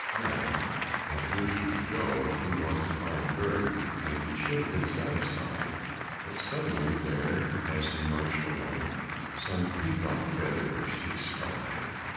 Now as roosters go he was a fine bird, And he should have been satisfied; But suddenly there as he marched along, Some peacock feathers he spied.